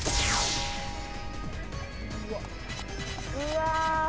うわ。